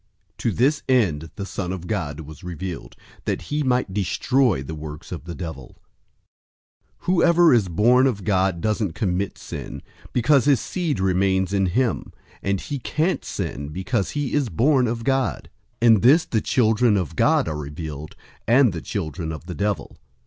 To this end the Son of God was revealed, that he might destroy the works of the devil. 003:009 Whoever is born of God doesn't commit sin, because his seed remains in him; and he can't sin, because he is born of God. 003:010 In this the children of God are revealed, and the children of the devil.